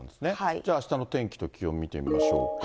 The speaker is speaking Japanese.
じゃあ、あしたの天気と気温見てみましょうか。